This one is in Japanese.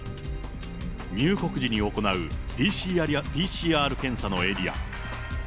入国時に行うＰＣＲ検査のエリア。